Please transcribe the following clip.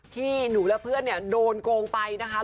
พี่หนูและเพื่อนโดนโกงไปนะคะ